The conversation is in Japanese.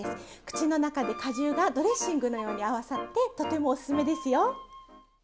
口の中で果汁がドレッシングのように合わさってとてもおすすめですよ。